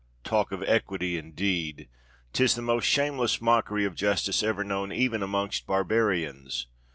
Talk of Equity indeed! 'tis the most shameless mockery of justice ever known even amongst barbarians.